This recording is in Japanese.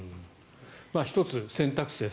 １つ、選択肢です。